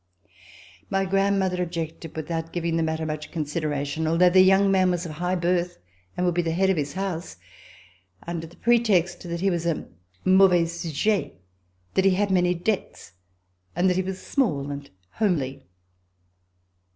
My grandmother objected, without giving the matter much consideration, although the young man was of high birth and would be the head of his house, under the pretext that he was a mauvais sujet, that he had many debts and that he was small and homely.